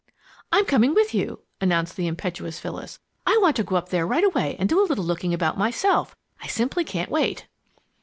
"I'm coming with you!" announced the impetuous Phyllis. "I want to go up there right away and do a little looking about myself. I simply can't wait."